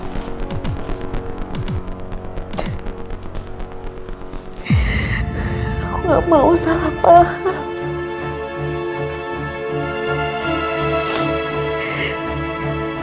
aku gak mau salah paham